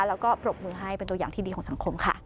แล้วก็ปรบมือให้เป็นตัวอย่างที่ดีของสังคมค่ะ